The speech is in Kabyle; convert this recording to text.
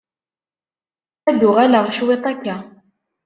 Ad d-uɣaleɣ cwit akka.